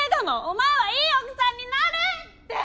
お前はいい奥さんになるって。